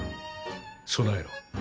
備えろ。